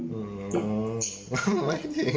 อื้อหือไม่ได้